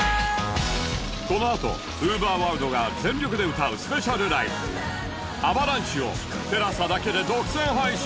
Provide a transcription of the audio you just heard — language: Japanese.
このあと ＵＶＥＲｗｏｒｌｄ が全力で歌うスペシャルライブ『ＡＶＡＬＡＮＣＨＥ』を ＴＥＬＡＳＡ だけで独占配信